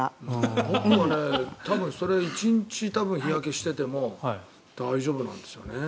僕も多分１日、日焼けしてても大丈夫なんですよね。